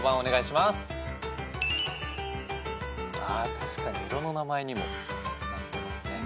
確かに色の名前にもなってますね。